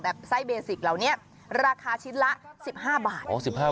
ไส้เบสิกเหล่านี้ราคาชิ้นละ๑๕บาท